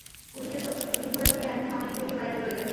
পুলিশের তথ্য সঠিক ধরে নিলে এখনো অনেক জঙ্গি বাইরে রয়ে গেছেন।